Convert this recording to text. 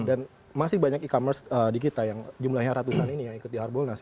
dan masih banyak e commerce di kita yang jumlahnya ratusan ini yang ikut di harbolnas